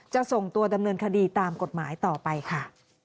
ส่งตัวดำเนินคดีตามกฎหมายต่อไปค่ะ